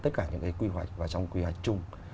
tất cả những cái quy hoạch và trong quy hoạch chung